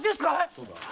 ⁉そうだ。